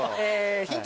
ヒント